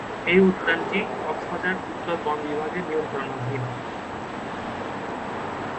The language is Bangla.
এ উদ্যানটি কক্সবাজার উত্তর বন বিভাগের নিয়ন্ত্রণাধীন।